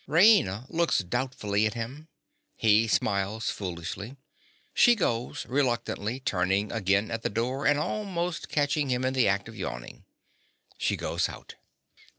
(_Raina looks doubtfully at him. He smiles foolishly. She goes reluctantly, turning again at the door, and almost catching him in the act of yawning. She goes out.